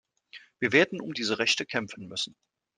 Wir werden um diese Rechte kämpfen müssen.